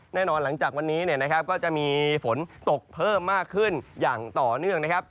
หลังจากวันนี้ก็จะมีฝนตกเพิ่มมากขึ้นอย่างต่อเนื่องนะครับ